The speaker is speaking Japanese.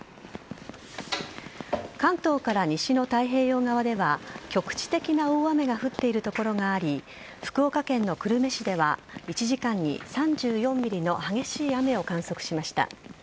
関東から西の太平洋側では局地的な大雨が降っている所があり福岡県の久留米市では１時間に３４ｍｍの激しい雨を観測しました。